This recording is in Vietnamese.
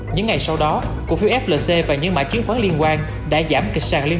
những ngày sau đó cổ phiếu flc và những mạng chứng khoán liên quan